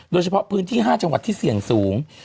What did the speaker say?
โดยเฉพาะพื้นที่๕จังหวัดที่เสี่ยงสูง